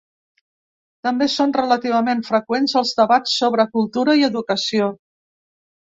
També són relativament freqüents els debats sobre cultura i educació.